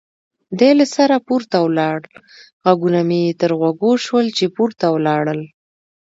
دی له سره پورته ولاړ، غږونه مې یې تر غوږو شول چې پورته ولاړل.